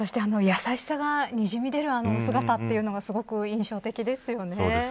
優しさがにじみ出るあのお姿がすごく印象的ですよね。